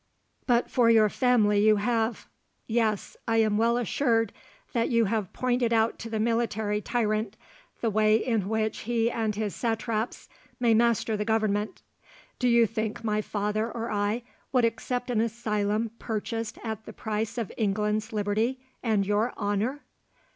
"But for your family you have—Yes, I am well assured that you have pointed out to the military tyrant, the way in which he and his satraps may master the government. Do you think my father or I would accept an asylum purchased at the price of England's liberty, and your honour?"